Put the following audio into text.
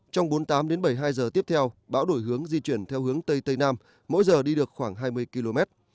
trong bốn mươi tám đến bảy mươi hai giờ tiếp theo bão đổi hướng di chuyển theo hướng tây tây nam mỗi giờ đi được khoảng hai mươi km